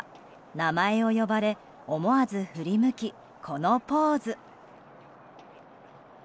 名前を呼ばれ思わず振り向き、このポーズ。